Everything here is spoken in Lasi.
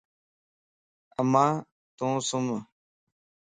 امان تون سم